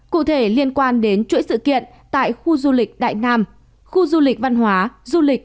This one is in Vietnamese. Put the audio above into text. cụ thể liên quan đến chuỗi sự kiện tại khu du lịch đại nam khu du lịch văn hóa du lịch